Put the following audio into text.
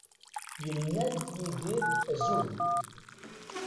Yenna-d Yidir azul.